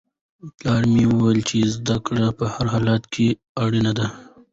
پلار مې وویل چې زده کړه په هر حالت کې اړینه ده.